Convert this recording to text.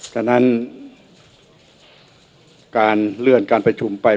ฉะนั้นการเลื่อนการประชุมไป